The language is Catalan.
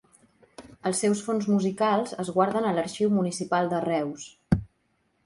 Els seus fons musicals es guarden a l'Arxiu Municipal de Reus.